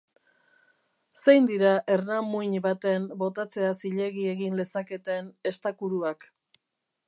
Zein dira ernamuin baten botatzea zilegi egin lezaketen estakuruak?